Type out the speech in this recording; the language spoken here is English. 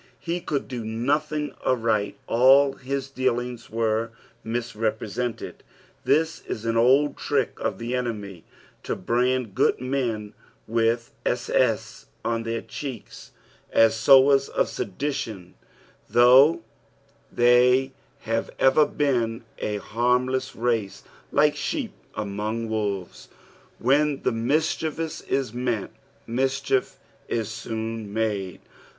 Ho could "do nothing aright, all his dealings were mis repre»ented. This is an old trick of the enemy to brand good men with 8,8. on their checks, as sowers of sedition, though thry have ever been s harmless race, like sheep among wolves. When mischief is meant, mischief is soon made.